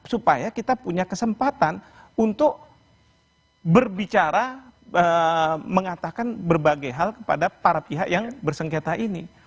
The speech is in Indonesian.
supaya kita punya kesempatan untuk berbicara mengatakan berbagai hal kepada para pihak yang bersengketa ini